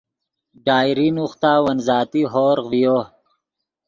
ڈائری نوختا ون ذاتی ہورغ ڤیو